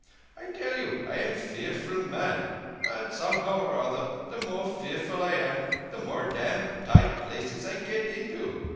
I tell you, I am fearful man, but, somehow or other, the more fearful I am the more dam' tight places I get into.